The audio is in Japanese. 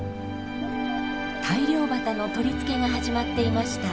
大漁旗の取り付けが始まっていました。